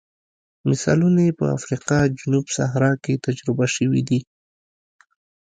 مثالونه یې په افریقا جنوب صحرا کې تجربه شوي دي.